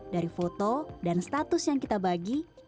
dari foto dan status yang kita bagi